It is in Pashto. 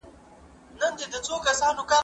لويان ئې پر کور کوي، کوچنيان ئې پر بېبان.